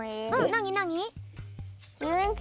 なになに？